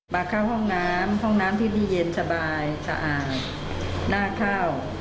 มาเข้าห้องน้ำห้องน้ำที่นี่เย็นสบายสะอาดหน้าเข้า